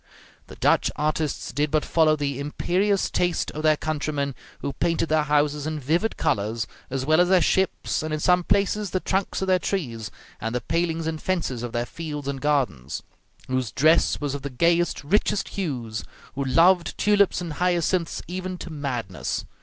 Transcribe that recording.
The Dutch artists did but follow the imperious taste of their countrymen, who painted their houses in vivid colors, as well as their ships, and in some places the trunks of their trees and the palings and fences of their fields and gardens; whose dress was of the gayest, richest hues; who loved tulips and hyacinths even to madness.